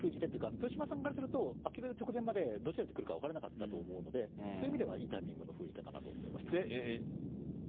豊島さんからすると、開ける直前までどちらでくるか分からなかったと思うので、そういう意味ではいいタイミングの封じ手かなと思いました。